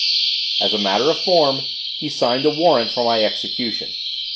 As a matter of form he signed the warrant for my execution.